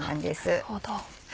なるほど。